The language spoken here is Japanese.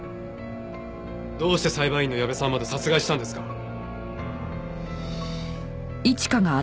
どうして裁判員の矢部さんまで殺害したんですか？